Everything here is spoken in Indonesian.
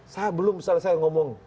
saya belum selesai ngomong